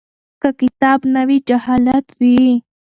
که کتاب نه وي جهالت وي.